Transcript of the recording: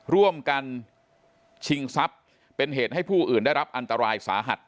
ร่วมกันชิงทรัพย์เป็นเหตุให้ผู้อื่นได้รับอันตรายสาหัส